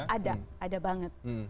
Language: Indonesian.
ada ada banget